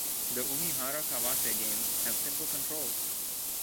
The Umihara Kawase games have simple controls.